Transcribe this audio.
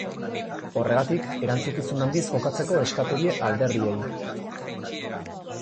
Horregatik, erantzukizun handiz jokatzeko eskatu die alderdiei.